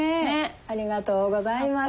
ありがとうございます。